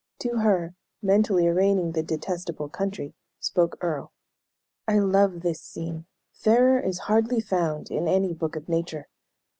To her, mentally arraigning "the detestable country," spoke Earle: "I love this scene; fairer is hardly found in any book of nature.